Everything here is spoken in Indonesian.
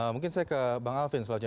mungkin saya ke bang alvin selanjutnya